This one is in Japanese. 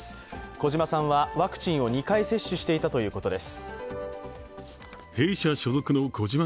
児嶋さんはワクチンを２回接種していたということです。